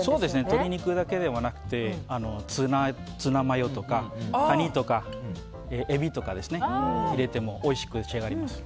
鶏肉だけではなくてツナマヨとかカニとかエビとか入れてもおいしく仕上がります。